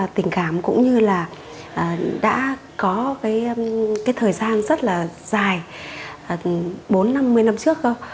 tình cảm cũng như là đã có cái thời gian rất là dài bốn năm mươi năm trước thôi